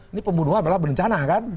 ini pembunuhan berencana kan